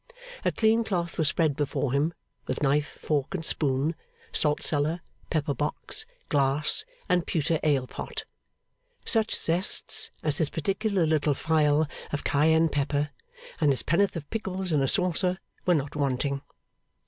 A clean cloth was spread before him, with knife, fork, and spoon, salt cellar, pepper box, glass, and pewter ale pot. Such zests as his particular little phial of cayenne pepper and his pennyworth of pickles in a saucer, were not wanting.